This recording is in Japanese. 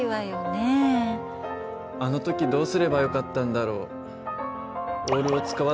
あの時どうすればよかったんだろう？